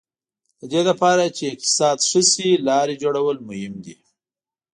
د دې لپاره چې اقتصاد ښه شي لارې جوړول مهم دي.